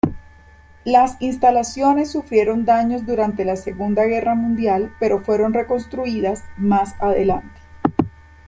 Las instalaciones sufrieron daños durante la Segunda Guerra Mundial, pero fueron reconstruidas más adelante.